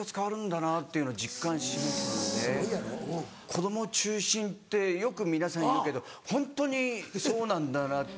子供中心ってよく皆さん言うけどホントにそうなんだなって。